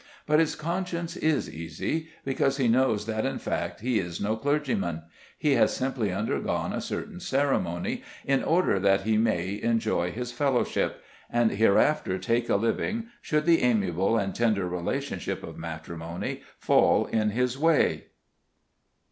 But his conscience is easy, because he knows that in fact he is no clergyman. He has simply undergone a certain ceremony in order that he may enjoy his fellowship, and hereafter take a living should the amiable and tender relationship of matrimony fall in his way.